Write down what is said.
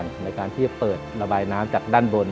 ในการที่จะเปิดระบายน้ำจากด้านบน